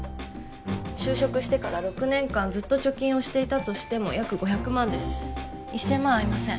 就職してから６年間ずっと貯金をしていたとしても約５００万です１０００万合いません